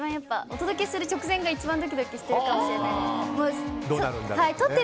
お届けする直前が一番ドキドキしているかもしれないです。